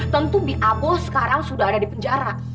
tentu biabo sekarang sudah ada di penjara